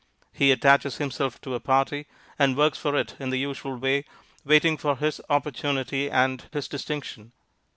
He attaches himself to a party, and works for it in the usual way, waiting for his opportunity and his distinction.